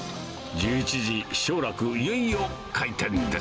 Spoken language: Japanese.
１１時、勝楽、いよいよ開店です。